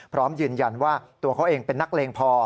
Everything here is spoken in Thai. พร้อมยืนยันว่าตัวเขาเองเป็นนักเลงพอ